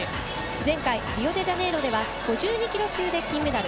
前回リオデジャネイロでは５２キロ級で金メダル。